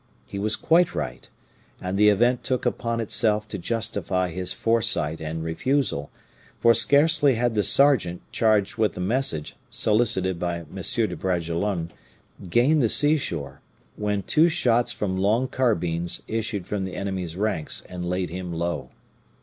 He was quite right, and the event took upon itself to justify his foresight and refusal; for scarcely had the sergeant charged with the message solicited by M. de Bragelonne gained the seashore, when two shots from long carbines issued from the enemy's ranks and laid him low.